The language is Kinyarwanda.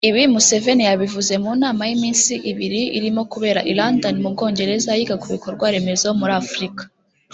Ibi Museveni yabivuze mu nama y’iminsi ibiri irimo kubera i London mu bwongereza yiga kubikorwaremezo muri Afurika